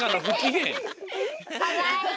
かわいい！